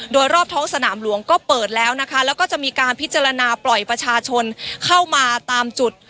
โดยรอบท้องสนามหลวงก็เปิดแล้วนะคะแล้วก็จะมีการพิจารณาปล่อยประชาชนเข้ามาตามจุด